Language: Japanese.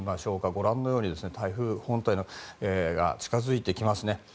ご覧のように台風本体が近づいてきます。